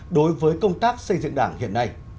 đối với công tác xây dựng đảng hiện nay